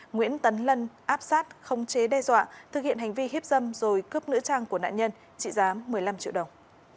nguyễn tấn lân áp sát khống chế đe dọa thực hiện hành vi hiếp dâm rồi cướp nữ trang của nạn nhân trị giá một mươi năm triệu đồng